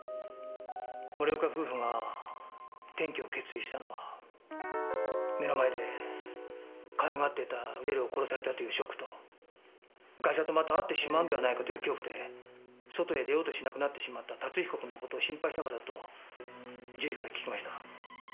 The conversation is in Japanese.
森岡夫婦が転居を決意したのは目の前でかわいがっていたウェルを殺されたというショックとガイシャとまた会ってしまうんではないかという恐怖で外へ出ようとしなくなってしまった龍彦君の事を心配したからだと獣医から聞きました。